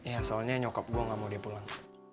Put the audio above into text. ya soalnya nyokap gue gak mau dia pulang